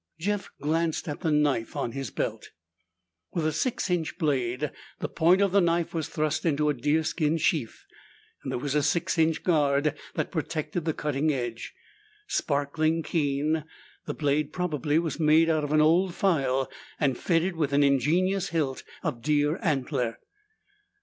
Jeff glanced at the knife on his belt. With a six inch blade, the point of the knife was thrust into a deer skin sheath and there was a six inch guard that protected the cutting edge. Sparkling keen, the blade probably was made out of an old file and fitted with an ingenious hilt of deer antler.